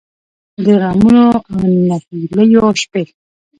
د غمـونـو او نهـيليو شـپې